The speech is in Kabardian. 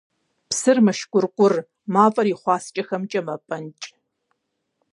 Псыр мэшкӀуркӀур, мафӀэр и хъуаскӀэхэмкӀэ мэпӀэнкӀ.